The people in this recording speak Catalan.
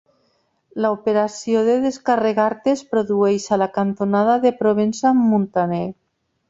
L'operació de descarregar-te es reprodueix a la cantonada de Provença amb Muntaner.